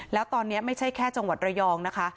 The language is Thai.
แล้วตอนนี้ไม่ใช่แค่จังหวัดระยองนะคะ